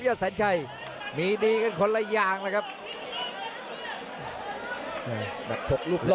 กระโดยสิ้งเล็กนี่ออกกันขาสันเหมือนกันครับ